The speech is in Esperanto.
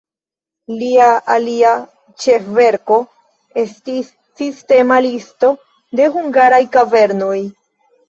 Lia alia ĉefverko estis sistema listo de hungaraj kavernoj.